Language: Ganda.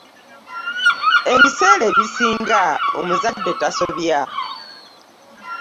Ebiseera ebisinga omuzadde tasobya.